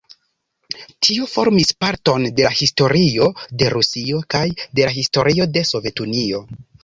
Tio formis parton de la historio de Rusio kaj de la historio de Sovetunio.